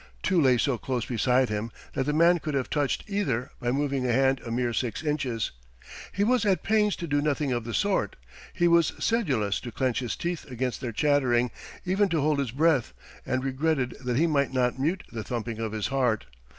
Two lay so close beside him that the man could have touched either by moving a hand a mere six inches; he was at pains to do nothing of the sort; he was sedulous to clench his teeth against their chattering, even to hold his breath, and regretted that he might not mute the thumping of his heart.